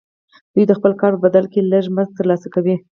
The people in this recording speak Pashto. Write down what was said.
دوی د خپل کار په بدل کې لږ مزد ترلاسه کوي